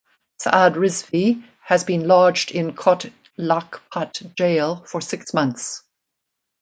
Saad Rizvi has been lodged in Kot Lakhpat Jail for six months.